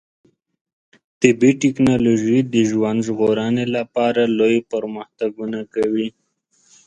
طبي ټکنالوژي د ژوند ژغورنې لپاره لوی پرمختګونه کوي.